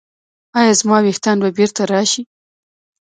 ایا زما ویښتان به بیرته راشي؟